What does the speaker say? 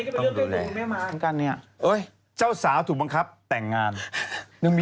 คุณกินสะอาดคุณกินข้อส้ม